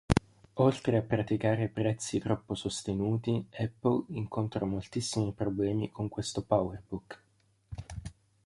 Oltre a praticare prezzi troppo sostenuti, Apple incontrò moltissimi problemi con questo PowerBook.